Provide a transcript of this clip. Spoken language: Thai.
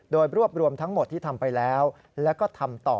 โดยรวบรวมทั้งหมดที่ทำไปแล้วแล้วก็ทำต่อ